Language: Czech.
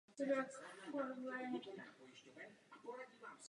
Specializuje se "žebříček".